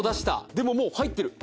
でも、もう入ってる。